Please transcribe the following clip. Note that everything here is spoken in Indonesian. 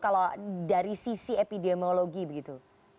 kalau dari sisi epidemiologi begitu